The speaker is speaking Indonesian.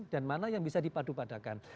dan mana yang bisa dipadupadakan